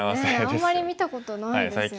あんまり見たことないですよね。